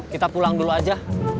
kita pulang dulu aja